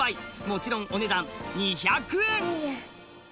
もちろんお値段２００円！